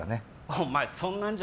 お前そんなんじゃ